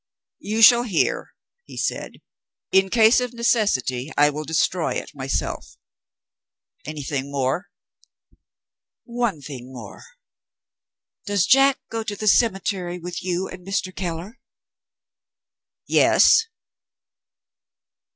"You shall hear," he said. "In case of necessity, I will destroy it myself. Anything more?" "One thing more. Does Jack go to the cemetery with you and Mr. Keller?" "Yes."